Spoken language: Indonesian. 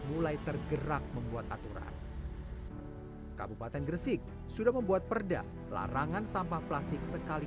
mulai tergerak membuat aturan kabupaten gresik sudah membuat perda larangan sampah plastik sekali